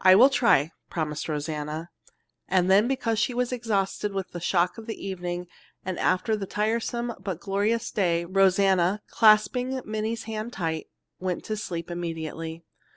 "I will try," promised Rosanna, and then because she was exhausted with the shock of the evening after the tiresome but glorious day Rosanna, clasping Minnie's hand tight, went to sleep immediately.